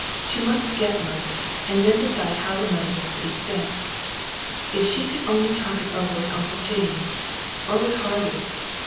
She must get money, and then decide how the money was to be spent. If she could only talk it over with Uncle James! Or, with Harvey.